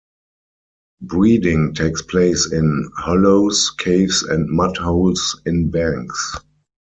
Breeding takes place in hollows, caves and mud holes in banks.